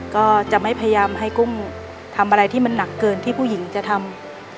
ก็จะไม่พยายามให้กุ้งทำอะไรที่มันหนักเกินที่ผู้หญิงจะทำ